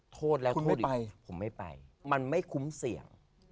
โทษแล้วโทษไปผมไม่ไปมันไม่คุ้มเสี่ยง